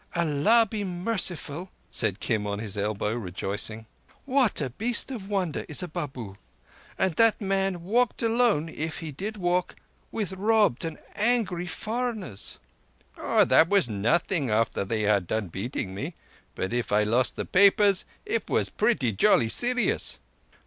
"Allah be merciful!" said Kim on his elbow, rejoicing. "What a beast of wonder is a Babu! And that man walked alone—if he did walk—with robbed and angry foreigners!" "Oah, thatt was nothing, after they had done beating me; but if I lost the papers it was pretty jolly serious.